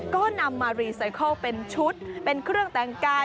ก็นำมารีไซเคิลเป็นชุดเป็นเครื่องแต่งกาย